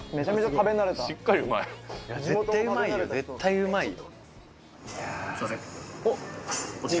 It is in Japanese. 絶対うまいよ絶対うまいよ。